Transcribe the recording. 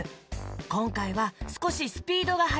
こんかいはすこしスピードがはやいよ。